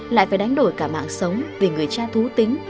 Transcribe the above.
lại phải đánh đổi cả mạng sống vì người cha thú tính